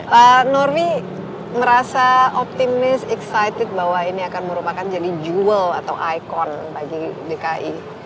pak nurmi merasa optimis excited bahwa ini akan merupakan jadi jual atau ikon bagi dki